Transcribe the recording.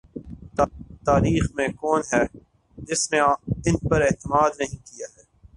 تاریخ میں کون ہے جس نے ان پر اعتماد نہیں کیا ہے۔